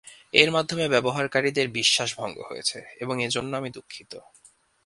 এর মাধ্যমে ব্যবহারকারীদের বিশ্বাস ভঙ্গ হয়েছে এবং এ জন্য আমি দুঃখিত।